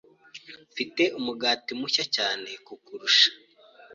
Mfite umugati mushya cyane kukurusha.